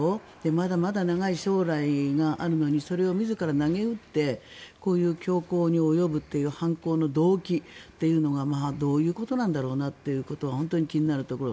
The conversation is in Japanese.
まだまだ長い将来があるのにそれを自らなげうってこういう凶行に及ぶという犯行の動機というのがどういうことなんだろうなということは本当に気になるところ。